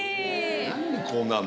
何でこうなるの？